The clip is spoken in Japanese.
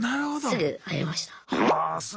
すぐ入れました。